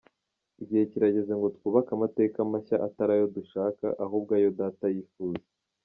Igihe kirageze ngo twubake amateka mashya atari ayo dushaka, ahubwo ayo Data yifuza.